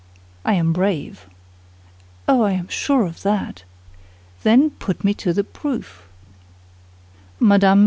"I am brave." "Oh, I am sure of that!" "Then, put me to the proof." Mme.